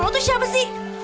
lo tuh siapa sih